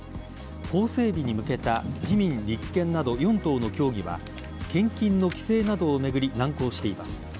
法整備に向けた自民・立憲など４党の協議は献金の規制などを巡り難航しています。